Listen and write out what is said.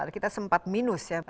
kita sempat minus ya